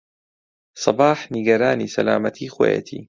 سەباح نیگەرانی سەلامەتیی خۆیەتی.